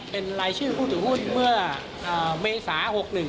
เป็นรายชื่อผู้ถือหุ้นเมื่อเมษา๖๑